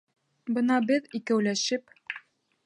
Бына беҙ... икәүләшеп...